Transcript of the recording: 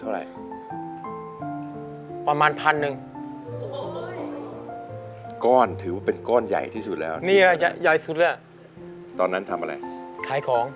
น่ารักมากพี่ช้าง